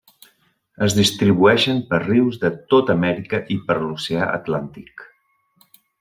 Es distribueixen per rius de tota Amèrica i per l'oceà Atlàntic.